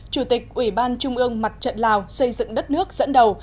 chủ tịch ủy ban trung ương mặt trận lào xây dựng đất nước dẫn đầu